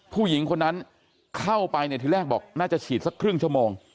ผู้หญิงคนนั้นเข้าไปเนี่ยทีแรกบอกน่าจะฉีดสักครึ่งชั่วโมง